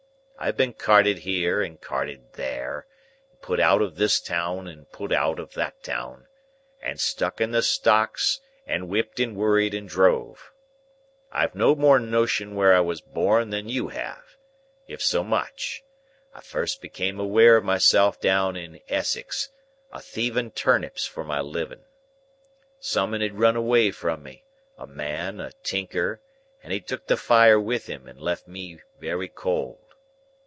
I've been carted here and carted there, and put out of this town, and put out of that town, and stuck in the stocks, and whipped and worried and drove. I've no more notion where I was born than you have—if so much. I first become aware of myself down in Essex, a thieving turnips for my living. Summun had run away from me—a man—a tinker—and he'd took the fire with him, and left me wery cold.